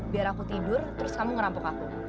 biar aku tidur terus kamu ngerampok aku